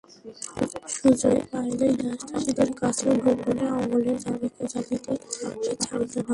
সুযোগ পাইলেই দাসদাসীদের কাছেও গোপনে অমলের নামে খোঁচা দিতে সে ছাড়িত না।